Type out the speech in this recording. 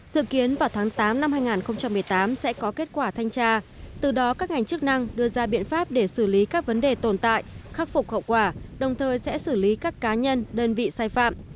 dự kiến vào tháng tám năm hai nghìn một mươi tám sẽ có kết quả thanh tra từ đó các ngành chức năng đưa ra biện pháp để xử lý các vấn đề tồn tại khắc phục hậu quả đồng thời sẽ xử lý các cá nhân đơn vị sai phạm